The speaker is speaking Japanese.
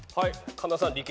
神田さん